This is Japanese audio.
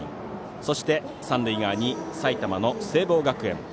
そして、三塁側に埼玉の聖望学園。